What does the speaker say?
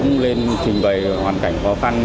nên trình bày hoàn cảnh khó phăn